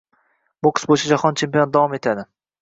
Boks bo‘yicha Jahon chempionati davom etadi